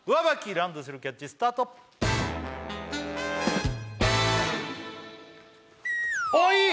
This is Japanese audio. ランドセルキャッチスタートあっいい！